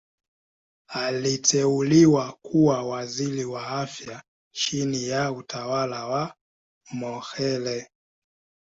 Aliteuliwa kuwa Waziri wa Afya chini ya utawala wa Mokhehle.